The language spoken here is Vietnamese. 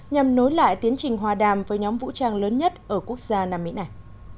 nhằm nối lại tiến trình hòa đàm với nhóm vũ trang lớn nhất ở quốc gia nam mỹ này